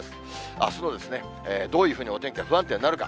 あすのどういうふうにお天気が不安定になるか。